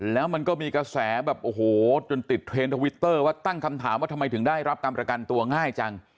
แล้วมันก็มีกระแสแบบโอ้โหจนติดเทรนด์ทวิตเตอร์ว่าตั้งคำถามว่าทำไมถึงได้รับการประกันตัวง่ายจัง